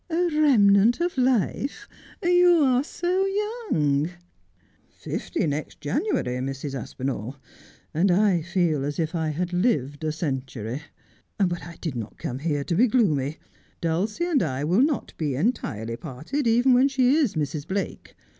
' A remnant of life ; you are so young.' ' Fifty next January, Mrs. Aspinall ; and I feel as if I had lived a century. But I did not come here to be gloomy. Dulcie and I will not be entirely parted, even when she is Mrs. Blake.